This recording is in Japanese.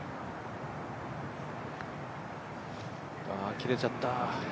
切れちゃった。